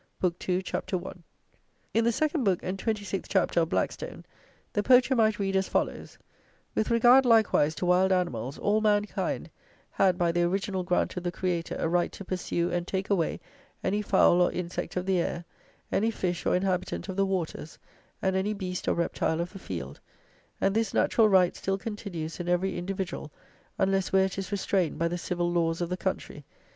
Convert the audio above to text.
(Book 2, Chapter 1.) In the Second Book and Twenty sixth Chapter of Blackstone, the poacher might read as follows: "With regard likewise to wild animals, all mankind had by the original grant of the Creator a right to pursue and take away any fowl or insect of the air, any fish or inhabitant of the waters, and any beast or reptile of the field: and this natural right still continues in every individual, unless where it is restrained by the civil laws of the country.